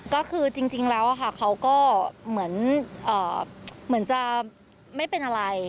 ก็คือจริงแล้วค่ะเขาก็เหมือนจะไม่เป็นอะไร